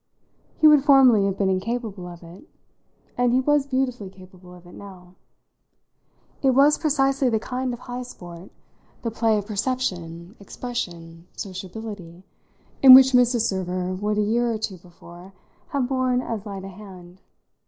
He would formerly have been incapable of it, and he was beautifully capable of it now. It was precisely the kind of high sport the play of perception, expression, sociability in which Mrs. Server would a year or two before have borne as light a hand.